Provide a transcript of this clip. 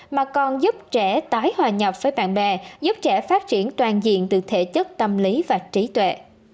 mà còn giúp trẻ tái hòa nhập với bạn bè giúp trẻ phát triển toàn diện từ thể chất tâm lý và trí tuệ